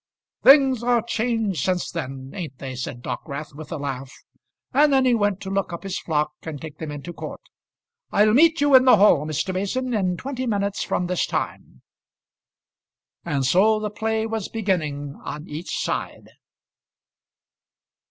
"Things are changed since then, ain't they?" said Dockwrath, with a laugh. And then he went to look up his flock, and take them into court. "I'll meet you in the hall, Mr. Mason, in twenty minutes from this time." And so the play was beginning on each side.